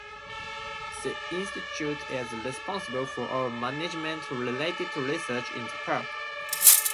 The institute is responsible for all management-related research in the park.